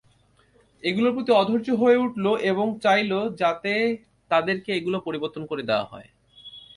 এগুলোর প্রতি অধৈর্য হয়ে উঠল এবং চাইল যাতে তাদেরকে এগুলো পরিবর্তন করে দেয়া হয়।